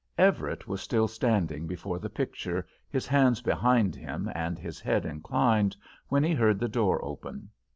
Everett was still standing before the picture, his hands behind him and his head inclined, when he heard the door open.